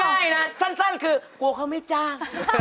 ใช่นะสั้นคือกลัวเขาไม่จ้าง